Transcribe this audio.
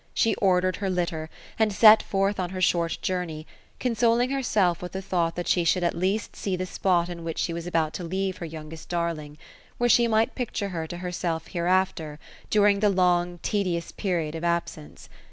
She ordered her litter, and set forth on her short journey, consoling herself with the thought that she should at least see the spot in which she was about to leave her youngest darling ; where she might picture her to herself hereafter, during the long tedious period of absence.